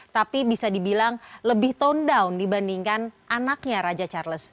tapi bisa dibilang lebih tone down dibandingkan anaknya raja charles